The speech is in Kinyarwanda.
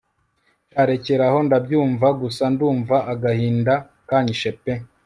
sha rekeraho ndabyumva, gusa ndumva agahinda kanyishe pe